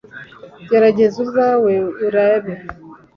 gerageza ubwawe urebe